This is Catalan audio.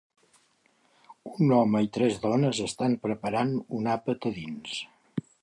Un home i tres dones estan preparant un àpat a dins.